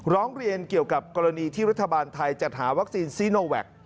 ร้องเรียนเกี่ยวกับกรณีที่รัฐบาลไทยจัดหาวัคซีนซีโนแวค